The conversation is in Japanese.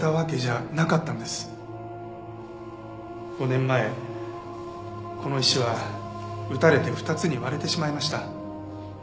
５年前この石は撃たれて２つに割れてしまいました。